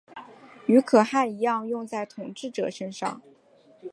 与可汗一样用在统治者身上。